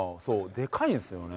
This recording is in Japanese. でかいんですよね